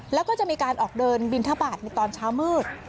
แล้วก็จะมีการออกเดินบินทบาทในตอนเช้ามืด